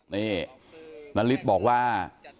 นี่นันฤทธิ์บอกว่า